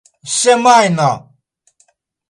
semajno